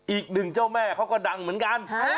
อีกหนึ่งเจ้าแม่เขาก็ดังเหมือนกัน